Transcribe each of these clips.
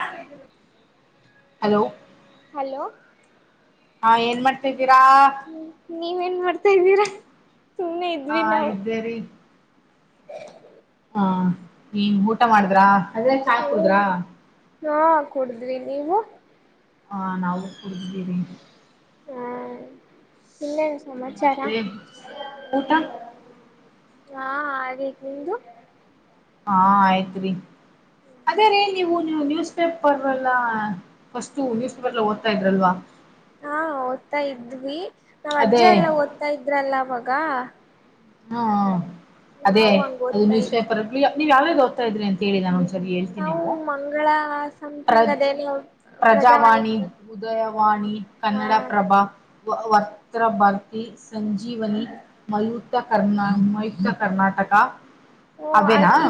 ಹ [unintelligible] hello hello ಹಾ ಏನ್ ಮಾಡ್ತಿದ್ದೀರಾ ನೀವೇನ್ ಮಾಡ್ತಾ್ದೀರಾ ಸುಮ್ನೆ ಹಾ ಇದ್ವಿ ನಾವು ಹ್ಮ ನೀನ್ ಊಟ ಮಾಡಿದ್ರ ಅದ್ರೆ ಚ ಕುಡುದ್ರ ಹಾ ಕುಡಿದ್ವಿ ನೀವು ಹಾ ನಾವು ಕುಡ್ದಿದ್ದೀವಿ ಇಲ್ಲ ಸಮಾಚಾರ ಮತ್ತೆ ಊಟ ಹಾ ಆ ರೀ ನಿಮ್ದು ಹಾ ಆಯ್ತ್ರಿ ಅದೇ ರೀ ನೀವು ನ್ಯೂಸ್ ಪೇಪರ್ ಎಲ್ಲ ಫಸ್ಟು ನ್ಯೂಸ್ ಪೇಪರ್ಲ್ಲ ಓದ್ತಾ ಇದ್ರಲ್ವಾ ಹಾ ಓದ್ತಾ ಇದ್ವಿ ನಾವ್ ಅಜ್ಜ ಅದೇ ಎಲ್ಲಾ ಓದ್ತಾ ಇದ್ರಲ್ಲ ಅವವಾಗ ಹ್ಮ ಅದೇ ನಾವು ಹಂಗ ಅದು ಓದ್ತಾ ನ್ಯೂಸ್ ಇದ್ವಿ ಪೇಪರ್ ನೀವ್ ಯಾವೇ ಓದ್ತಾ ಇದ್ರಿ ಅಂತ ಹೇಳಿ ನಾನು ಒಂದ್ಸರಿ ಹೇಳ್ತೀನಿ ನಾವು ಅವು ಮಂಗಳ ಸಮಥಿಂಗ್ ಪ್ರಜ್ ಅದೇನ ಪ್ರಜಾವಾಣಿ ಉದಯವಾಣಿ ಹಾ ಕನ್ನಡಪ್ರಭ ವ ವರ್ತ್ರ ಭರ್ತಿ ಸಂಜೀವನಿ ಮಯುಕ್ತ ಕರ್ನಾ ಮಯುಕ್ತ ಕರ್ನಾಟಕ ಹಓ ಅದ ಅವೇನಾ ಇ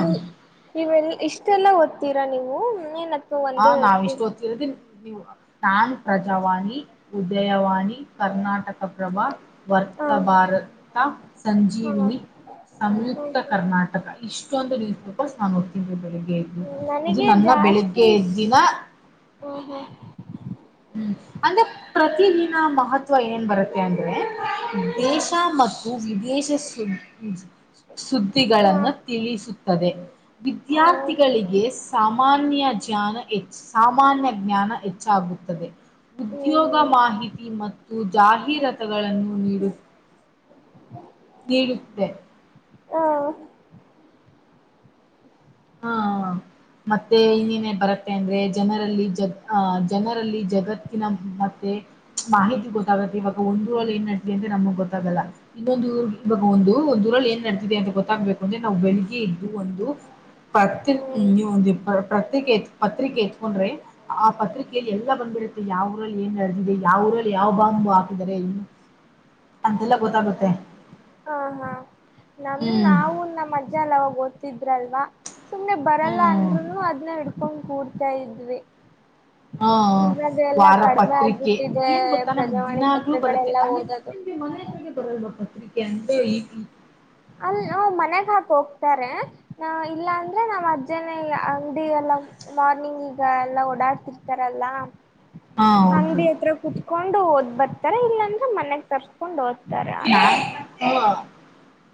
ಇವೆ ಇಷ್ಟೆಲ್ಲ ಓದ್ತೀರಾ ನೀವು ಏನ ಹಾ ನಾವ್ ಇಷ್ಟುಓದ್ತಿರದೀಿ ನೀ ತಾನ್ ಪ್ರಜಾವಾಣಿ ಉದಯವಾಣಿ ಕರ್ನಾಟಕ ಪ್ರ್ರಭ ವರ್ತ ಹ ಭಾರತ ಹಾ ಸಂಜೀವಿನಿ ಹ್ಮ ಸಂಯುಕ್ತ ಕರ್ನಾಟಕ ಇಷ್ಟು ಸ್ವಂತ ನ್ಯೂಸ್‌ಪೇಪರ್ ನಾನು ಬೆಳಿಗ್ಗೆ ನನಗೆ ಜಾಸ್ತಿ ಕೆೇ ದಿನ ಹ್ಮ ಹ್ಮ್ ಅಂದ್ರೆ ಪ್ರತಿದಿನ ಮಹತ್ವ ಏನ್ ಬರುತ್ತೆ ಅಂದ್ರೆ ಹ್ಮ ದೇಶ ಮತ್ತು ಹ ವಿದಿಯ ಹಾ ಸುದ್ದಿಗಳನ್ನು ತಿಳಿಸುತ್ತದೆ ಹೌದು ವಿದ್ಯಾರ್ಥಿಗಳಿಗೆ ಸಾಮಾನ್ಯ ಜ್ಞಾನ ಹೆಚ್ಚ ಸಾಮಾನ್ಯ ಜ್ಞಾನ ಹೆಚ್ಚಾಗುತ್ತ ಹ್ಮ್ ಉದ್ಯೋಗ ಹ ಮಾಹಿತಿ ಮತ್ತು ಜಾಹೀರಾತುಗಳನ್ನು ನೀಡುತ್ತ ನೀಡುತ್ತೆ ಹ್ಮ್ ಹಾ ಹಾ ಮತ್ತೆ ಇನ್ನನೆ ಬರುತ್ತೆ ಅಂದ್ರೆ ಜನರಲ್ಲಿ ಜ ಜನರಲ್ಲಿ ಜಗತ್ ಮತ್ತೆ ಮಾಹಿತಿ ಗೊತ್ತಾಗುತ್ತೆ ಇವಾಗ ಒಂದರಳ ಏನ್ ನಡ್ಲಿ ಅಂತೆ ನಮಗ್ ಗೊತ್ತಾಗಲ್ಲ ಇನ್ನೊಂದು ಇವಾಗ ಒಂದು ಒಂದಂದು ದೂರಲ್ಲಿ ಏನ್ ನಡತಿದೆ ಅಂತ ಗೊತ್ತಾಗ್ಬೇಕು ಅಂದ್ರೆ ನಾವು ಬೆಳಿಗ್ಗೆ ಇದ್ದು ಒಂದು ಪ್ರ ನೀವು ಪತ್ರಿಕೆ ಪತ್ರಿಕೆ ಹಕೊಂಡ್ರೆ ಆ ಪತ್ರಿಕೆಯಲ್ಲಿ ಎಲ್ಲ ಬಂದಬಿಡತ್ತೆ ಯಾವ್ರಲ್ಲಿ ಏನ್ ನಡೆದಿದೆ ಯಾವರಲ್ಲಿ ಯಾವ ಬಾಂಬು ಹಾಕಿದರೆ ಇನ್ನು ಅಂತೆಲ್ಲ ಗೊತ್ತಾಗುತ್ತೆ ಹ ಹಾ ನಮ ಹ್ಮ್ ನಾವು ನಮ್ಮ ಅಜ್ಜ ಎಲ್ಲಾವಾಗೋದು ಇದ್ರಲ್ವಾ ಸುಮ್ನೆ ಬರಲ್ಲ ಹ್ಮ್ ಅಂದ್ರುನು ಅದ್ನ್ನ ಹಿಡ್ಕೊಂಡ್ ಕೂಡ್ತಾ ಇದ್ವಿ ಹಾ ಈಗದೆ ಎಲ್ಲಾ ಕಡಿಮೆ ಆಗ್ಬಿಟ್ಟಿದೆ ನಮ್ ಪ್ರಜಾವಾಣಿ ದಿನಾಗಗ್ಲೂ ಬರುತ್ತೆ ಪತ್ರಗಳೆಲ್ಲಾ ಆಮೇ ಓದೋದು ನಿಮ ಮನೆತ್ರಗೆ ಬರಲ್ವ ಪತ್ರಿಕೆ ಅಂದೆ ಈಗ್ಲಿ ಅಲ್ ನ ಮನೆಗ್ ಹಾಕ ಹೋಗ್ತಾರೆ ನ ಇಲ್ಲಾ ಅಂದ್ರೆ ನಾವ್ ಅಜ್ಜನೇ ಅಂಗಿ ಎಲ್ಲ ಮಾರ್ನಿಂಗ್ ಈಗ ಎಲ್ಲ ಓಡಾಡ್ತಿರ್ತಾರಲ್ಲ ಹಾ ಹೌದು ಅಂಗ್ಡಿ ಹತ್ರ ಕುೂತ್ಕೊಂಡು ಓದ್ ಬರ್ತಾರ ಇಲ್ಲಾಂದ್ರೆ ಮನ್ಯಾಗಗ್ ತರ್ಸ್ಕೊಂಡು ಓದ್ತ ಹ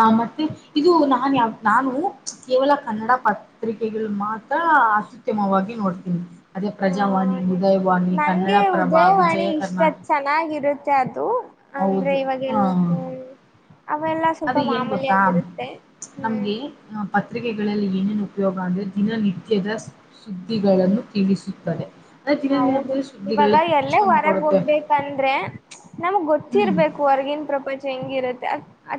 ಆ ಮತ್ತೆ ಇದು ನಾನು ಯಾವ ನಾನು ಕೇವಲ ಕನ್ನಡ ಪತ್ರಿಕೆ ಇಲ್ ಮಾತ್ರ ಆಸ ಉತ್ತಮವಾಗಿ ನೋಡ್ತೀನಿ ಅದೇ ಪ್ರಜಾವಾಣಿ ಉದಯವಾಣಿ ನನ್ಗೆ ಕನ್ನಡಪ್ರಭ ಉದಯವಾಣಿ ವಿಜಯ ಇಷ್ಟ ಕರ್ನಾಟಕ ಚೆನ್ನಾಗಿರುತ್ತೆ ಅದು ಅಂದ್ರೆ ಹೌದು ಹಾ ಇವಾಗೆಲ್ಲ ಹ್ಮ್ ಅವೆಲ್ಲ ಅದ ಸ್ವಲ್ಪ ಏನ್ ಮಾಮೂಲಿ ಗೊತ್ತಾ ಆಗಿರುತ್ತೆ ಹ್ಮ್ ನಮ್ಗೆ ಪತ್ರಿಕೆಗಳಲ್ಲಿ ಏನೇನು ಉಪಯೋಗ ಅಂದರೆ ದಿನನಿತ್ಯದ ಸುದ್ದಿಗಳನ್ನು ತಿಳಿಸುತ್ತದೆ ಅಂದ್ರೆ ಹೌದು ದಿನನಿತ್ಯದ ಸುದ್ದಿಗಳು ಇವಾಗ ಎಲ್ಲ ನಮ್ಗ್ ಹೊರಗ್ ಕೊಡುತ್ತೆ ಹೋಗ್ಬೇಕಂದ್ರೆ ನಮ್ಗ್ ಹ್ಮ್ ಗೊತ್ತಿರ್ಬೇಕು ಹೊರ್ಗಿನ ಪ್ರಪಂಚ ಹೆಂಗಿರತ್ತೆ ಅ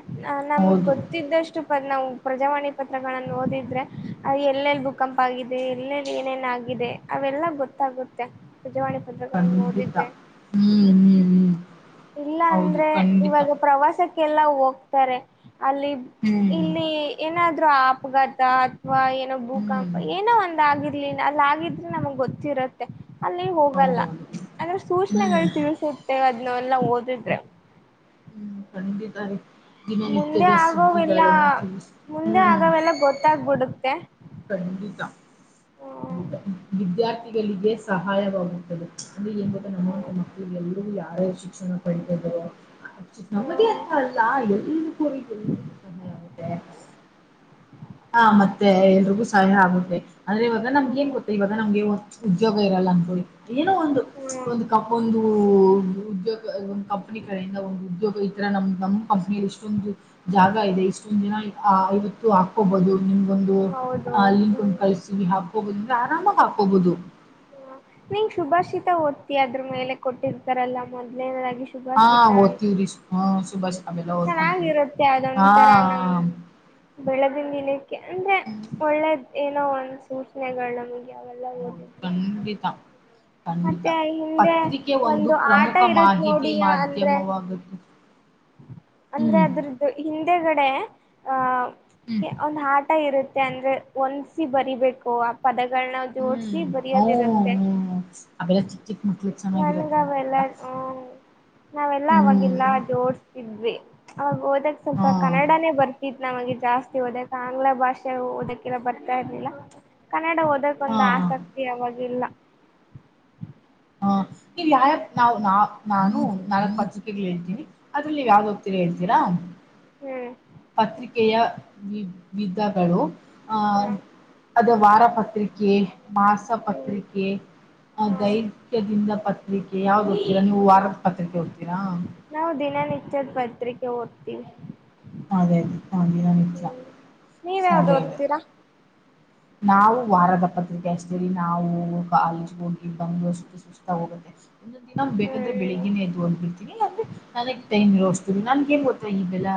ನಮಗೆ ಹೌದು ಗೊತ್ತಿದ್ದಷ್ಟು ಪ ನಾವು ಪ್ರಜಾವಾಣಿ ಪತ್ರಗಳನ್ನು ಓದಿದ್ರೆ ಎಲ್ಲೆಲ್ಲಿ ಭೂಕಂಪ ಆಗಿದೆ ಎಲ್ಲೆಲ್ಲಿ ಏನೇನ್ ಆದೆ ಎಲ್ಲ ಗೊತ್ತಾಗುತ್ತೆ ಪತ್ರಗಳನ್ನ ಕಂಡಿತಾ ಓದಿದ್ರೆ ಹ್ಮ್ ಹ್ಮ ಹ್ಮ್ ಇಲ್ಲ ಹೌದು ಅಂದ್ರೆ ಖಂಡಿತ ಇವಾಗ ಪ್ರವಾಸಕ್ಕೆಲ್ಲಾ ಹೋಗ್ತಾರೆ ಅಲ್ಲಿ ಹ್ಮ್ ಇಲ್ಲಿ ಏನಾದ್ಅಪಘಾತ ವಾ ಏನೋ ಭೂಕಂಪ ಹ್ಮ್ ಏನೋ ಒಂದ ಆಗಿರ್ಲಿಲ್ಲ ಅಲ್ಲ ಆಗಿದ್ರೆ ನಮಗ್ ಗೊತ್ತಿರುತ್ತೆ ಅಲ್ಲಿ ಹೋಗಲ್ಲ ಹೌದೌದು ಅಂದ್ರೆ ಸೂಚನೆಗಳು ಹ್ಮ್ ತಿಳಿಸುತ್ತೆ ಅದನ್ನ ಎಲ್ಲ ಓದಿದ್ರೆ ಹ್ಮ್ ಖಣಂಡಿ ತಾರ ಜಮನ ಮುಂದೆ ಇತೇದಾಸ ಸಿುದ್ದಿ ಆಗೋವೆಲ್ಲ ಬ ಮುಂದೆ ಹ್ಮ ಆಗವೆಲ್ಲ ಗೊತ್ತಾಗ್ಬಿಡುತ್ತೆ ಖಂಡಿತ ಹ್ಮ್ ಖಂಡಿತ ವಿದ್ಯಾರ್ಥಿಗಳಿಗೆ ಸಹಾಯವಾಗುತ್ತದೆ ಅಂದ್ರೆ ಏನ್ ಗತ್ತ ನಮ್ಮಂತ ಮಕ್ಕಳಿಗೆ ಎಲ್ಲರೂ ಯಾರ್ಯಾರು ಶಿಕ್ಷಣ ಪಡಿತಿದಾರೋ ನಮ್ಮದ ಹ್ಮ್ ಅತ್ರ ಅಲ್ಲ ಎಲ್ಲಿ ಕರಿ ಸಹಾಗುತ್ತೆ ಹಾ ಮತ್ತೆ ಎಲ್ರಿಗೂ ಸಹಾಯ ಆಗುತ್ತೆ ಅಂದ್ರೆವಾಗ ನಮ್ಗ ನ್ ಹ್ಮ್ ಗೊತ್ತ ಇವಾಗ ನಮಗೆ ಉ್ಯಗ ಇರಲ್ಲ ಅನ್ಕೊಳ್ಳಿ ಏನೋ ಒಂದು ಹ್ಮ್ ಒಂದು ಹ್ಮ್ ಕಪ್ ಒಂದು ಉದ್ಯೋಗ ಒಂದು ಕಂಪನಿ ಕಡೆಯಿಂದ ಒಂದು ಉದ್ಯೋಗ ಈ ತರ ನಮ್ ನಮ್ಮ್ ಕಂಪನಿಯಲ್ಲಿ ಇಷ್ಟೊಂದು ಜಾಗ ಇದೆ ಇಷ್ಟು ಇವತ್ತು ಹಾಕೋಬಹುದು ನಿಮ್ ಒಂದು ಹೌದು ಅ ಲಿಂಕ್ ಒಂದು ಹ್ಮ್ ಕಳ್ಸ ಹಾಕಬೋದಂದ ಆರಾಮಾಗಿ ಹಾಕಬಹುದು ನಿಂಗ ಶುಭಾಷಿತ ಓದ್ತಿ ಅದ್ರ ಮೇಲೆ ಕೊಟ್ಟಿರ್ತಾರಲ್ಲಾ ಮೊದ್ಲೇನದ ಹಾ ಓದ್ತೀವ್ರೀ ಹ್ಮ ಸುಭಾ ಚೆನ್ನಾಗಿರುತ್ತೆ ಅದೊಂ ತರ ನಮ್ ಹಾ ಬೆಳೆದ ದಿನಕ್ಕೆ ಅಂದ್ರೆ ಒಳ್ಳೆದ ಏನೋ ಒಂದ ಸೂಚನೆಗಳು ನಮ್ಗೆ ಅವೆಲ್ಲ ಹೌದು ಹೋಗಿದ್ರೆ ಖಂಡಿತ ಖಂಡಿತ ಪತ್ರಿಕೆ ಒಂದು ಆಟ ಪ್ರಮುಖ ಇರುತ್ ಮಾಹಿತಿ ನೋಡಿ ಅಂದ್ರೆ ಮಾಧ್ಯಮವಾಗುತ್ತಿದೆ [inaudible] ಅಂದ್ರೆ ಅದ್ರದ್ದು ಹಿಂದೆಗಡೆ ಹ್ಮ್ ಅಹ ಒಂದು ಆ ಊ ಇರುತ್ತೆ ಅಂದ್ರೆ ಒಂದಸಿ ಬರಿಬೇಕು ಆ ಪದಕ ನ ಜೋಡಸಿ ಬರಿಯೋದ ಇರುತ್ತೆ ಅಲ್ಲ ಚಿಕ್ಕ ಚಿಕ್ಕ ಮುಟ್ಟಲಿ ಅವೆಲ್ಲ ಚೆನ್ನಾಗಿರತ್ತಲ್ಲ ಹ್ಮ್ ನಾವೆಲ್ಲ ಅವವಾಗಿಲ್ಲ ಜೋಡ್ ಇದ್ವಿ ಅವವಾಗ ಹೋದಾಗ ಹಾ ಸ್ವಲ್ಪ ಕನ್ನಡನೇ ಬರ್ತಿತ್ ನಮಗಿದ ಜಾಸ್ತಿ ಓದಕ್ಕೆ ಆಂಗ್ಲ ಭಾಷೆ ಓದಕ್ಕೆಲ್ಲ ಬರ್ತಾ ಇರ್ಲಿಲ್ಲ ಕನ್ನಡ ಹಾ ಓದಕ್ಕೊಂದಂದು ಆಸಕ್ತಿ ಅವಾಗಿಲ್ಲ ಹಾ ನೀವ ಯ ನಾವು ನಾ ನಾನು ನನ್ನ ಮತ್ಕೆಗಳು ಹೇಳ್ತೀನಿ ಅದ್ರಲ್ಲಿ ನೀವ್ ಯಾವ್ದ ಹೋಗ್ತೀರ ಹೇಳ್ತೀರಾ ಹ್ಮ್ ಪತ್ರಿಕೆಯ ವಿ ವಿಧಗಳು ಆ ಹ್ಮ ಅದ ವಾರಪತ್ರಿಕೆ ಮಾಸ ಹ್ಮ್ ಪತ್ರಿಕೆ ಅ ಹಾ ದೈ ಹ್ಮ್ ಪತ್ರಿಕೆ ಯಾವ್ದು ಹೋಗ್ತರಾ ನೀವು ವಾರದ ಪತ್ರಿಕೆ ಹೋಗ್ತೀರಾ ನ್ ನಿಚ್ಚದ ಪತ್ರಿಕೆ ವರ್ತಿ ಅದೇ ಅದೇ ಹ ಮ ನೀವ ಯಾವ್ದು ಅದೇ ಅದೇ ಓದ್ತೀರಾ ನಾವು ವಾರದ ಪತ್ರಿಕೆ ಅಷ್ಟೇಲ್ಲಿ ನಾವು ಕಾಲೇಜ್ ಹೋಗಿ ಬಂದುಷ್ಟು ಸುಸ್ತ ಹೋಗ ಒಂದಂದು ದಿನ ಬೇಕಂದ್ರೆ ಹ್ಮ್ ಬೆಳಗ್ಗಿನೇದು ಅನ್ಬಿಡ್ತೀನಿ ಅಂದ್ರೆನಗ್ ಟೈಮ ನಿರ್ವಿಸ್ತ್ರು ನನ್ ಏನ್ ಗೊತ್ತಾ ಈ ಬೆಲ್ಲ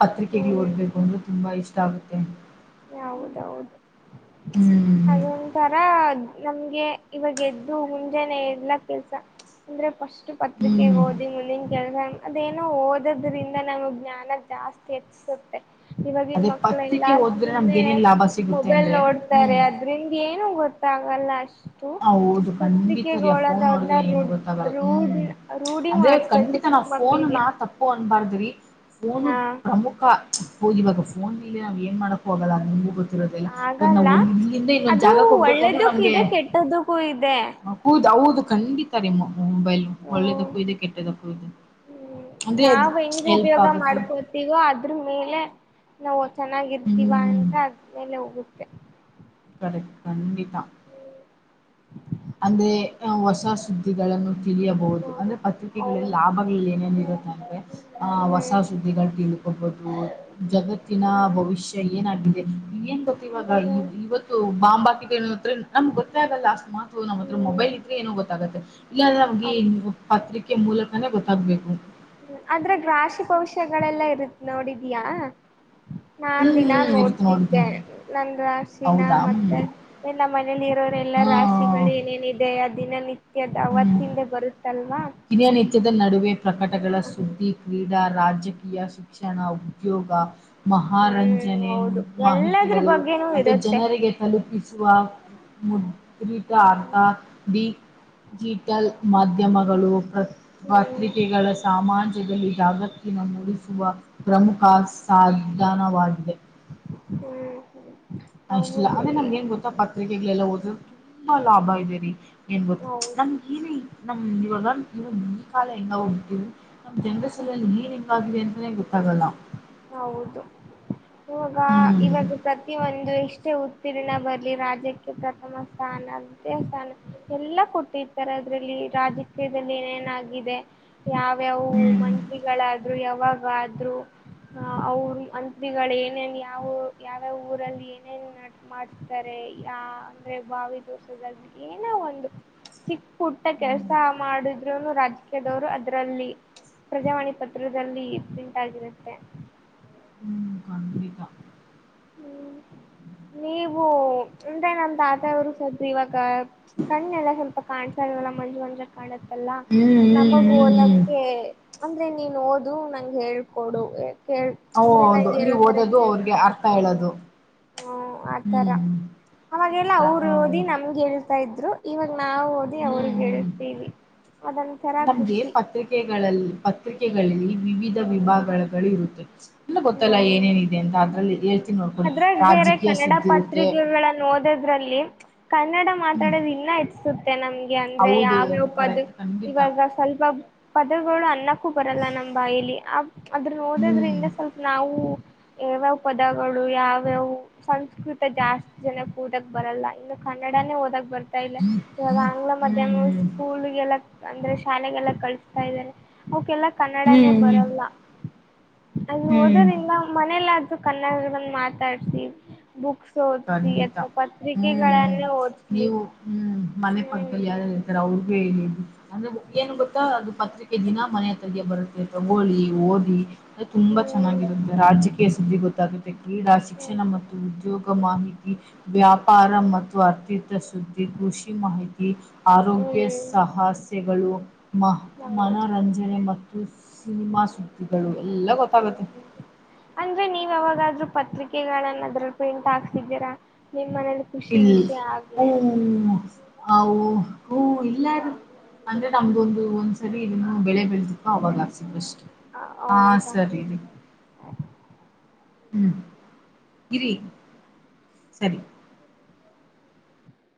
ಪತ್ರಿಕೆಗ್ ಓದ್ಬೇಕು ಹ್ಮ್ ಅಂದ್ರೆ ತುಂಬಾ ಇಷ್ಟ ಆಗುತ್ತೆ ಹೌದೌದು ಹ್ಮ್ ಅದೊಂಥರ ನಮ್ಗೆ ಇವಾಗ ಎದ್ದು ಮುಂಜೆನೇ ಎಲ್ಲ ಕೆಲ್ಸ ಅಂದ್ರೆ ಪಸ್ಟ್ ಪತ್ರಿಕೆ ಹ್ಮ್ ಓದಿ ಮುಂದಿನ ಕೆಗೆ ಅದೇನೋ ಓದದ್ರಿಂದ ನಮ್ಗ್ ಜ್ಞಾನ ಜಾಸ್ತಿ ಹೆಚ್ಚಿಸುತ್ತೆ ಇವವಾಗಿನ್ ಅದೇ ಮಕ್ಳ ಪತ್ರಿಕೆ ಎಲ್ಲಾ ಓದಿದ್ರೆ ನಮ್ಗೆ ಸುಮ್ಮನೆ ಏನೇನ್ ಲಾಭ ಸಿಗುತ್ತೆ ಮೊಬೈಲ್ ಅಂದ್ರೆ ಹ್ಮ್ ನೋಡ್ತಾರೆ ಅದ್ರಿಂದ ಏನು ಗೊತ್ತಾಗಲ್ಲ ಅಷ್ಟ ಹ ಹೌದು ಖಂಡಿತ ರೀ ಆ ಫೋನ್ ಪತ್ರಿಕೆಗಳದವ್ರನ್ನ ನೋಡಿದ್ರೆ ರೂ ಏನು ಗೊತ್ತಾಗಲ್ಲ ರೂಢ ರೂಢಿ ಮಾಡಸ್ಬೇಕು ಚಿಕ್ಕ ನಾವು ಫೋನ್ ನ ಮಕ್ಳಿಗೆ ತಪ್ಪ ಅನ್ಬಾರ್ದ ಫೋನು ಹಾ ಪ್ರಮುಖ ಹೋಗಿ ಇವಾಗ ಫೋನ್ ಮೇಲೆ ನಾವ್ ಏನ್ ಮಾಡಕ ಹೋಗಲ್ಲ ನಮ ಗ [unintelligible] ಆಗಲ್ಲ ನಾವು ಒಂದ ಇಲ್ಲಿಂದ ಇನ್ನೊಂದ್ ಅದು ಜಾಗ ಕೊಡಬೇಕು ಅಂದ್ರೆ ಒಳ್ಳೇದಕ್ಕೂ ನಮ್ಗೆ. ಇದೆ ಕೆಟ್ಟದಕ್ಕೂ ಇದೆ ಹೌದ ಹೌದ ಖಂಡಿತ ನಿಮ್ಮ. ಮೊಬೈಲ್ ಒಳ್ಳೆದಕ್ಕೂ ಇದೆ ಕೆಟ್ಟದಕ್ಕೂ ಇದೆ. ಹ್ಮ ಅಂದ್ರೆ ಅದು ನಾವ್ ಹೆಂಗ ಹೆಲ್ಪ್ ಉಪಯೋಗ ಆಗುತ್ತೆ ಮಾಡ್ಕೊತೀವೋ ಅದ್ರ ಮೇಲೆ ನಾವ್. ಚೆನ್ನಾಗಿರ್ತೀವಾ ಹ್ಮ್ ಅಂತ ಆದ್ಮೇಲೆ ಹೋಗುತ್ತೆ. ಕರೆಕ್ಟ್ ಕಂಡಿತಾ. ಹ್ಮ. ಅಂದ್ರೆ ಹೊಸ ಸುದ್ದಿಗಳನ್ನು ತಿಳಿಯಬಹುದು ಅಂದ್ರೆ ಪತ್ರಿಕೆಗಳಲ್ಲಿ ಹೌದು ಲಾಭಗಳಲ್ಲಿ ಏನೇನಿರುತ್ತ. ಹಂಗೆ. ಆಹ ಹೊಸ ಸುದ್ದಿಗಳು ತಿಂದುಕೊಡ್ಬಹುದು ಜಗತ್ತಿನ ಭವಿಷ್ಯ ಏನಾಗಿದೆ ಏನ್. [unintelligible] ಇವಾಗ ಇವತ್ತು ಬಾಂಬ್ ಹಕಿದೆ ಏತ್ತೆ ನಮ್ಗೆ ಗೊತ್ತೇ ಆಗಲ್ಲ ಅಷ್ಟು ಮಾ. ನಮ್ಮ ಹತ್ರ ಮೊಬೈಲ್ ಇದ್ರೆ ಏನೋ ಗೊತ್ತಾಗತ್ತೆ ಇಲ್ಲಾಂದ್ರೆ ನಮ್ಗೆ ಏನು ಪತ್ರಿಕೆ ಮೂಲಕನೇ ಗೊತ್ತಾಗಬೇಕು. ಅದ್ರಾಗ ರಾಶಿ ಭವಿಷ್ಯಗಳೆಲ್ಲ ಇರುತ್ತ ನೋಡಿದ್ಯಾಾ. ನಾನ್ ದಿನಾ ಹ್ಮ್ ಇರ್ತ್ ನೋಡ್ತಿದ್ದೆ ನೋಡ್ತೀನಿ ನಂದ ರಾಶಿ ನಾ ಹೌದಾ ಮತ್ತೆ ಹ್ಮ್ ಎಲ್ಲ ಮನೆ ಮನೆಯಲ್ಲಿ ಇರೋರೆ ಎಲ್ಲಾ ರಾಶಿಗಳು ಏನೇನಿದೆ ಆ ದಿನನಿತ್ಯದ ಅವತ್ತಿಂದೇ ಬರುತ್ತಲ್ವಾ. ಹಿರಿಯನಿತ್ಯದ ನಡುವೆ ಪ್ರಕಟಗಳ ಸುದ್ದಿ ಕ್ರೀಡಾ ರಾಜಕೀಯ ಶಿಕ್ಷಣವು ಉದ್ಯೋಗ ಹ್ಮ್ ಮಹಾರಂಜನೆ ಹೌದು ಎಲ್ಲದ್ರ ಮಾಹಿತಿಗಳು ಬಗ್ಗೆನೂ ಮತ್ತೆ ಇರುತ್ತೆ ಜನರಿಗೆ ತಲುಪಿಸಿ. ವಾ ಮು [unintelligible] ಡಿಜಟಲ್ ಮಾಧ್ಯಮಗಳು [unintelligible] ಹ್ಮ್ ಪತ್ರಿಕೆಗಳ ಸಾಮಾಜದಲ್ಲಿ ಜಾಗತಿನ ಮೂಡಿಸುವ ಪ್ರಮುಖ ಸಾಧ. ಅಜ್ಞಾನವಾಗಿದೆ. ಹ್ಮ್. ಅಷ್ಟಲ್ಲ ಹೌದು ಅಂದ್ರೆ ನಮ್ಗೆ ಏನ್ ಗೊತ್ತಾ ಪತ್ರಿಕೆಗಳೆಲ್ಲಾ ಓದ್ರೆ ತುಂಬಾ ಲಾಭ ಇದೆರಿ. ಏನ ಗೊತ್ತ ಹೌದು ನಮ ಹಿರಿ ನಮ ಇವಾಗ [unintelligible] ಕಾಲ ಹೆಂಗ ಹೋಗ್ಬಿಟ್ಟಿದವಿ ನಮ್ ಜನರ ಸಲೆಯಲ್ಲಿ ಏನ್ ಹೆಂಗಿದೆ ಅಂತಾನೆ ಗೊತ್ತಾಗಲ್ಲ. ಹೌದು ಇವಾಗ ಹ್ಮ್ ಇವಾಗ ಪ್ರತಿ ಒಂದು. ಎಷ್ಟೇ ಉತ್ತೀರ್ಣ ಬರಲಿ ರಾಜ್ಯಕ್ಕೆ ಪ್ರಥಮ ಸ್ಥಾನ ದ್ವಿತೀಯ ಸ್ಥಾನ ಎಲ್ಲ ಕೊಟ್ಟಿರ್ತಾರೆ. ಅದ್ರಲ್ಲಿ ರಾಜಕೀಯದಲ್ಲಿ ಏನೇನಾಗಿದೆ. ಯಾವ್ಯಾವ ಹ್ಮ್ ಮಂತ್ರಿಗಳಾದ್ರು ಯಾವಾಗಾ ಆದ್ರೂ. ಹ ಅವ್ರ ಮಂತ್ರಿಗಳು ಏನೇನು ಯಾವ ಯಾವ್ಯಾವ ಊರಲ್ಲಿ ಏನೇನ ನಡ್ ಮಾಡಸ್ತಾರೆ. ಯ ಅಂದ್ರೆ ಬಾವಿದು [unintelligible] ಏನೋ ಒಂದು. ಚಿಕ್ಕ ಪುಟ್ಟ ಕೆಲ್ಸ ಹ್ಮ್ ಮಾಡಿದ್ರುನು ರಾಜಕೀಯದವರು ಅದ್ರಲ್ಲಿ. ಪ್ರಜಾವಾಣಿ ಪತ್ರದಲ್ಲಿ ಪ್ರಿಂಟ್ ಆಗಿರುತ್ತೆ. ಖಂಡಿತ ಹ್ಮ್ [inaudible] ನೀವು ಅಂದ್ರೆ ನಮ್ಮ ತಾತವರು ಸರು ಇವಾಗ ಕಣ್ಣೆಲ್ಲ ಸ್ವಲ್ಪ ಕಾಣ್ಸಲಲ್ವಾ. ಬಂದು ಅಂದ್ರೆ ಕಾಲದ. ಎಲ್ಲ ಹ್ಮ್ ನಮಗ ಹ್ಮ್ ಹ್ಮ್ ಹ್ಮ್ ಓದಕ್ಕೆ ಅಂದ್ರೆ ನೀನ್ ಓದು ನಂಗೆ ಹೇಳ್ಕೊಡು. ಹೇಳ್ ಅಂದ್ರೆ ಹೌದು ನಂಗ ಏನೋ ನೀವು ತರ ಓದೋದು ಹೇಳ್. ಅವ್ರಿಗೆ ಅರ್ಥ ಹ ಹೇಳೋದು ಹ್ಮ ಆತರ ಹ್ಮ್ ಅವಾಗೆಲ್ಲ ಅವರು ಓದಿ ಹ್ಮ್ ನಮ್ಗೆ ಹೇಳ್ತಾ ಇದ್ರು ಇವಾಗ ನಾವವು ಓದಿ ಅವ್ರಗ್ ಹ್ಮ್ ಹೇಳ್ತೀವಿ. ಅದೊಂತರ ನಮ್ಗೆ ಖುಷಿ ಪತ್ರಿಕೆಗಳಲ್ಲಿ ಪತ್ರಿಕೆಗಳಲ್ಲಿ ವಿವಿಧ. ವಿಭಾಗಗಳ ಇರುತ್ತೆ. ಎಲ್ಲಾ ಗೊತ್ತಲ್ಲ ಹ್ಮ್ ಏನೇನಿದೆ ಅಂತ ಅದ್ರಲ್ಲಿ ಹೇಳ್ತೀನಿ ನೋಡ್ಕೊಳ್ಳಿ ಅದ್ರಾಗ ರಾಜಕೀಯ ಸುದ್ದಿ ಇರುತ್ತೆ. ಅದರಲ್ಲಿ ಕನ್ನಡ ಹ್ಮ್ ಮಾತಾಡೋದು ಇನ್ನ [unintelligible] ಅನ್ಸುತ್ತೆ ನಮ್ಗೆ ಅಂದ್ರೆ ಹೌದು ಯಾವ್ಯಾವ ಅದು ಪದ ಕರೆಕ್ಟ್ ಖಂಡಿತ ಇವಾಗ ಸ್ವಲ್ಪ ಪದಗಳು ಅನ್ನ. ಕ್ಕು ಬರಲ್ಲ ನಮ್ ಬಾಯಲಿ ಅದರ್ನ ಹ್ಮ್ ಓದೋದ್ರಿಂದ ಸ್ವಲ್ಪ ನಾವು ಯಾವ್ಯಾವ ಪದಗಳು ಯಾವ್ಯಾವ ಸಂಸ್ಕೃತ ಜಾಸ್ತಿ ಜನಕ್ ಉದಕ್ ಬರಲ್ಲ ಇನ್ನು ಕನ್ ಕನ್ನಡಾನೇ ಓದಕ್ ಬರ್ತಾ ಇಲ್ಲ ಇವಾಗ ಆಂಗ್ಲ ಮಾಧ್ಯಮ ಹ್ಮ್ ಸ್ಕೂಲಿಗ ಎಲ್ಲಾ. ಅಂದ್ರೆ ಶಾಲೆಗೆಲ್ಲ ಕಳಿಸತಾ ಇದ್ದಾರೆ ಅವಕ್ಕೆಲ್ಲಾ ಕನ್ನಡನೇ ಹ್ಮ್ ಹ್ಮ್ ಬರಲ್ಲ. ಅಲ್ಲಿ ಹ್ಮ್ ಓದೋದ್ರಿಂದ ಮನೆಯಲ್ಲಾದ್ರೂ ಕನ್ನಡ ಬಂದ್ ಮಾತಾಡ್ಸ ಬುಕ್ಸ್ ಓಚ್ಲಿ ಖಂಡಿತ ಅಥವಾ ಹ್ಮ್ ಪತ್ರಿಕೆಗಳನ್ನೆ ಓಚ್ಲಿ ಹ್ಮ್ ನಂತರ ಅವ್ರಗೆ ಅಂದ್ರೆ ಏನ್ ಗೊತ್ತಾ ಅದು ಪತ್ರಿಕೆ ದಿನ ಮನೆ ಹತ್ತಗೆ ಬರುತ್ತೆ ತಗೊಳ್ಳಿ ಓದಿ ಅದು ತುಂಬಾ ಚೆನ್ನಾಗಿರುತ್ತೆ ರಾಜಕೀಯ ಸುದ್ದಿ ಗೊತ್ತಾಗುತ್ತೆ ಕೀಡ ಶಿಕ್ಷಣ ಮತ್ತು ಉದ್ಯೋಗ ಮಾಹಿತಿ ವ್ಯಾಪಾರ ಮತ್ತು ಅಥಿತ ಸುದ್ದಿ ಕೃಷಿ ಮಾಹಿತಿ ಹ್ಮ್ ಆರೋಗ್ಯ ಹ್ಮ್ ಸಾಹಸ್ಯಗಳು ಮ ಹೌದು ಮನೋರಂಜನೆ ಮತ್ತು ತುಸಿಮಾ ಸುದ್ದಿಗಳು ಎಲ್ಲಾ ಹ್ಮ್ ಗೊತ್ತಾಗತ್ತೆ ಅಂದ್ರೆ ನೀವ್ ಯಾವಾಗಾದ್ರೂ ಪತ್ರಿಕೆಗಳನ್ನ ಅದ್ರಲ್ಲಿ ಪ್ರಿಂಟ್ ಹಾಕ್ಸಿದ್ದೀರಾ ಮನೇಲಿ ಖುಷಿ ಇಲ್ ವಿಷಯ ಹೂ ಆಗ್ಲೆ ಅವು ಉ ಇಲ್ಲಾರೀ ಅಂದ್ರೆ ನಮ್ಗೊಂದ ಒಂದ್ಸರಿ ಇದನ್ನು ಬೆಳೆ ಬೆಳೆದಿಕ್ಕೋ ಅವಾಗ ಆಸ ಅಷ್ಟೆ ಹಾ ಹೌದಾ ಸರಿ ರೀ ಹ್ಮ್ ಗಿರಿ ಸರಿ